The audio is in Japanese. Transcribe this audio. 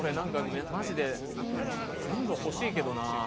マジで全部欲しいけどな。